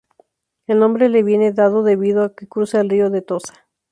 El nombre le viene dado debido a que cruza el río de Tosa.